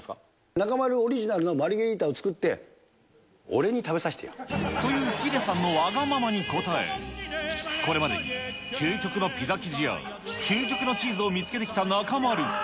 中丸オリジナルのマルゲリーというヒデさんのわがままに応え、これまでに究極のピザ生地や究極のチーズを見つけてきた中丸。